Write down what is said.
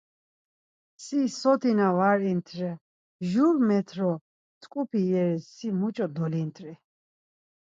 Si sotina var int̆re, Jur met̆ro mtzǩupi yeriş, si muç̌o dolint̆ri?